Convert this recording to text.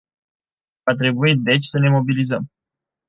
Va trebui deci să ne mobilizăm.